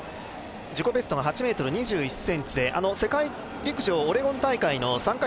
自己ベストが８ｍ２１ｃｍで世界陸上オレゴン大会の参加